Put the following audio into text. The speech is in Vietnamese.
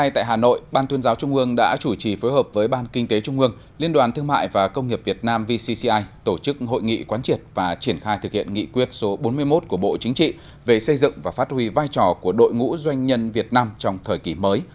thủ tướng đã chủ trì phối hợp với ban kinh tế trung ương liên đoàn thương mại và công nghiệp việt nam vcci tổ chức hội nghị quán triệt và triển khai thực hiện nghị quyết số bốn mươi một của bộ chính trị về xây dựng và phát huy vai trò của đội ngũ doanh nhân việt nam trong thời kỳ mới